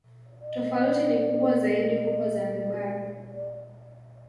Tofauti ni kubwa zaidi huko Zanzibar.